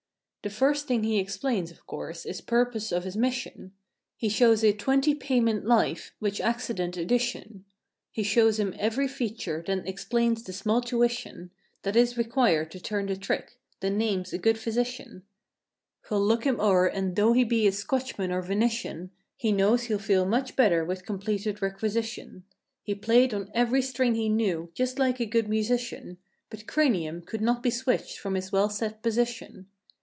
The first thing he explains, of course, is purpose of his mission. He shows a "Twenty Payment Life," which acci¬ dent addition. He shows him every feature, then explains the small tuition 148 That is required to turn the trick. Then names ^ good physician Who'll look him o'er and though he be a Scotchman or Venitian, He knows he'll feel much better with completed requisition. He played on every string he knew, just like a good musician, But Cranium could not be switched from his well set position.